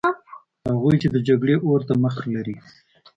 هغوی چې د جګړې اور ته مخه لري.